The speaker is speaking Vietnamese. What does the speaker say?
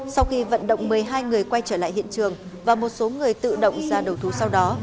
sau khi vận động một mươi hai người quay trở lại hiện trường và một số người tự động ra đầu thú sau đó